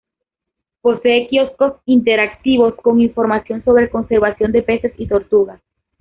Posee quioscos interactivos con información sobre conservación de peces y tortugas.